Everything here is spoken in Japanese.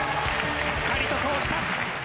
しっかりと通した。